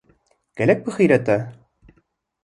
Gelek bixîret e.